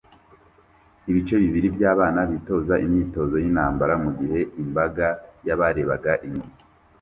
Ibice bibiri byabana bitoza imyitozo yintambara mugihe imbaga yabarebaga inyuma